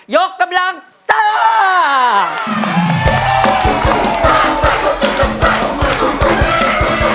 ยกกำลังซ่า